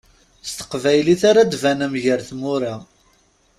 S teqbaylit ara d-banem gar tmura.